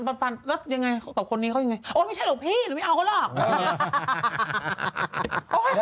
บางทีเราก็แบบเจอพวกโรคสวย